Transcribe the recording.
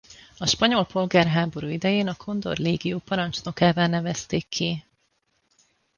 A spanyol polgárháború idején a Condor légió parancsnokává nevezték ki.